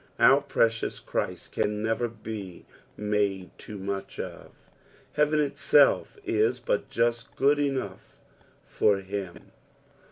Our precious Christ can never be made too much of. Heaven itself is but just good enough for bim.